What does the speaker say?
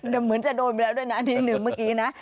เหมือนจะโดนไปแล้วด้วยนะนึกเมื่อกี้นะ